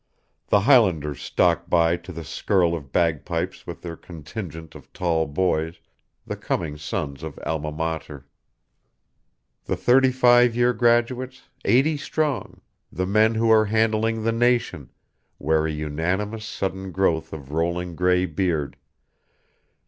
The Highlanders stalk by to the skirl of bagpipes with their contingent of tall boys, the coming sons of Alma Mater. The thirty five year graduates, eighty strong, the men who are handling the nation, wear a unanimous sudden growth of rolling gray beard.